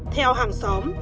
theo hàng xóm